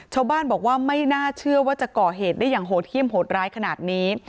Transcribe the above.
ชาวบ้านบอกว่าไม่น่าเชื่อว่าจะก่อเหตุได้อย่างโหดเยี่ยมโหดร้ายขนาดนี้